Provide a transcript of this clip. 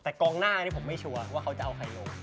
แต่กองหน้านี้ผมไม่ชัวร์ว่าเขาจะเอาใครลง